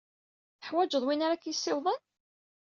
Teḥwajed win ara k-yessiwḍen?